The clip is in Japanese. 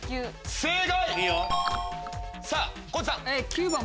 正解！